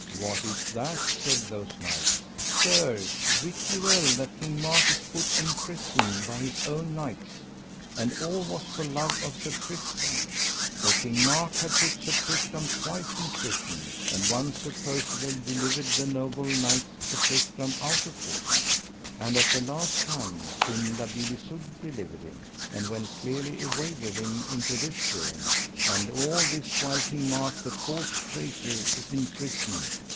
What is that? said those knights. Sirs, wit ye well that King Mark is put in prison by his own knights, and all was for love of Sir Tristram; for King Mark had put Sir Tristram twice in prison, and once Sir Percivale delivered the noble knight Sir Tristram out of prison. And at the last time Queen La Beale Isoud delivered him, and went clearly away with him into this realm; and all this while King Mark, the false traitor, is in prison.